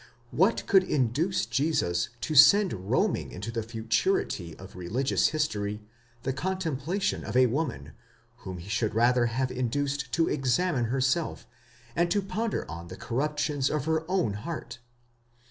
What could induce Jesus to send roaming into the futurity of religious history, the contemplation of a woman, whom he should rather have induced to examine herself, and to ponder on the corruptions of her own heart?